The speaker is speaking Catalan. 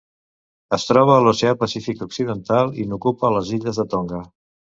Es troba a l'Oceà Pacífic occidental, i n'ocupa les illes de Tonga.